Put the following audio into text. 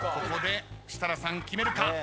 ここで設楽さん決めるか？